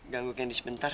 ganggu kandis sebentar